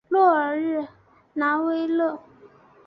诺尔日拉维勒。